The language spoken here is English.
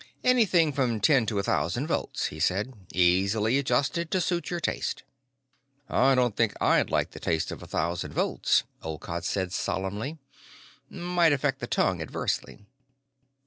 "Anything from ten to a thousand volts," he said. "Easily adjusted to suit your taste." "I don't think I'd like the taste of a thousand volts," Olcott said solemnly. "Might affect the tongue adversely."